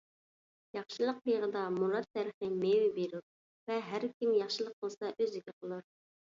ياخشىلىق بېغىدا مۇراد دەرىخى مېۋە بېرۇر ۋە ھەر كىم ياخشىلىق قىلسا ئۆزىگە قىلۇر.